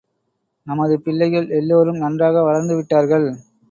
நமது பிள்ளைகள் எல்லோரும் நன்றாக வளர்ந்து விட்டார்கள்.